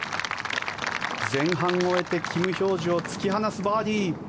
前半を終えてキム・ヒョージュを突き放すバーディー。